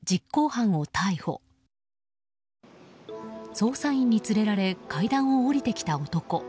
捜査員に連れられ階段を下りてきた男。